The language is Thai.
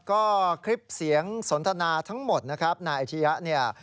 ก็คลิปเสียงสนทนาทั้งหมดนะครับนายอาชียะเนี่ย